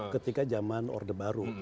ketika jaman orde baru